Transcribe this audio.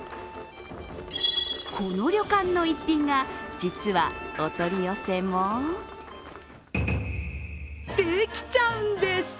この旅館の逸品が実はお取り寄せもできちゃうんです。